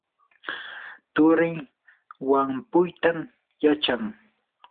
turii wampuytam yachan.